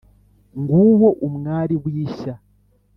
nguwo umwari w’ishya